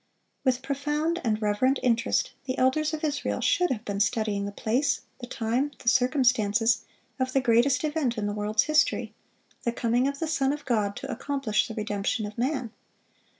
With profound and reverent interest the elders of Israel should have been studying the place, the time, the circumstances, of the greatest event in the world's history,—the coming of the Son of God to accomplish the redemption of man.